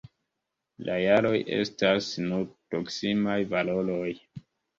La jaroj estas nur proksimaj valoroj.